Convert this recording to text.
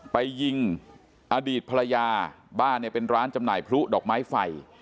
ไปยิงอดีตภรรยาบ้านเนี่ยเป็นร้านจำหน่ายพลุดอกไม้ไฟ